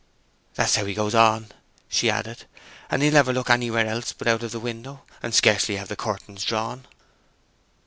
"That's how he goes on," she added. "And he'll never look anywhere else but out of the window, and scarcely have the curtains drawn."